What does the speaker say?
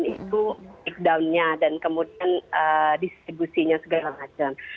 jadi itu ikutnya itu down nya dan kemudian distribusinya segala macam